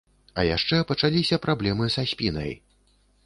А яшчэ пачаліся праблемы са спінай.